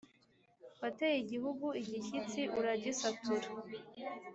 wateye igihugu igishyitsi uragisatura